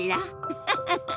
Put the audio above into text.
ウフフフ。